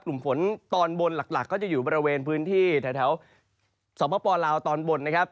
กลุ่มฝนตอนบนหลักก็จะอยู่บริเวณพื้นที่แถวสวพปลาวตอนบนนะครับ